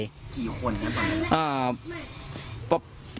กี่คนครับตอนนี้